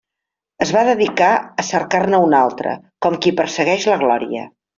Es va dedicar a cercar-ne una altra, com qui persegueix la glòria.